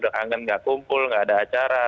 kangen gak kumpul gak ada acara